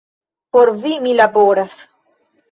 Por vi, mi laboras.